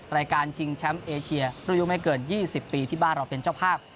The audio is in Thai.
ชิงแชมป์เอเชียรุ่นยุไม่เกิน๒๐ปีที่บ้านเราเป็นเจ้าภาพ